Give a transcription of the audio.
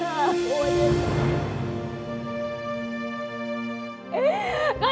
kak kak iko kak nur